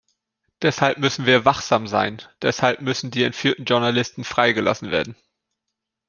Deshalb müssen wir wachsam sein, deshalb müssen die entführten Journalisten freigelassen werden.